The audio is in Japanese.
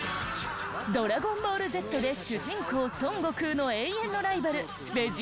『ドラゴンボールＺ』で主人公孫悟空の永遠のライバルベジータ役を熱演。